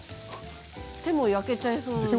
手も焼けちゃいそう。